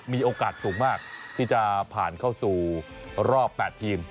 มีโอกาสสูงมากที่จะผ่านเข้าสู่รอบ๘ทีม